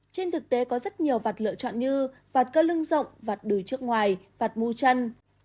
trên thực tế có rất nhiều vặt lựa chọn như vặt cơ lưng rộng vặt đùi trước ngoài vặt mu chân